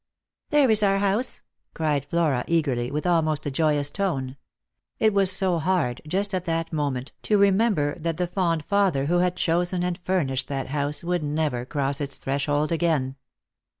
" There is our house !" cried Flora eagerly, with almost a joyous tone. It was so hard, just at that moment, to remember that the fond father who had chosen and furnished that house would never cross its threshold again.